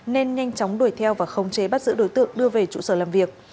nên nhanh chóng đuổi theo và không chế bắt giữ đối tượng đưa về trụ sở làm việc